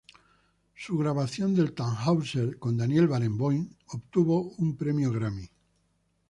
Su grabación del Tannhäuser, con Daniel Barenboim, obtuvo un premio Grammy.